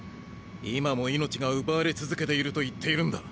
今も命が奪われ続けていると言っているんだ。